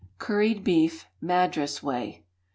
Curried Beef, Madras Way.